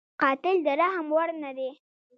قاتل د رحم وړ نه دی